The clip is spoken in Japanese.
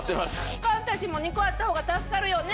おかんたちも２個あった方が助かるよね？